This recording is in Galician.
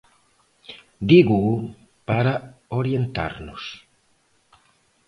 Dígoo para orientarnos.